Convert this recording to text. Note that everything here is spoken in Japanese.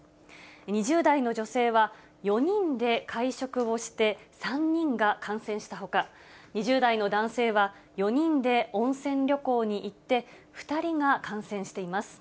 ２０代の女性は、４人で会食をして、３人が感染したほか、２０代の男性は、４人で温泉旅行に行って、２人が感染しています。